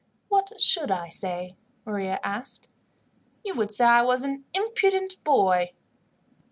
"What should I say?" Maria asked. "You would say I was an impudent boy."